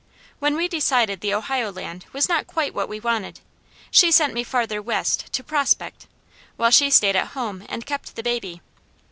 When we decided the Ohio land was not quite what we wanted, she sent me farther west to prospect, while she stayed at home and kept the baby.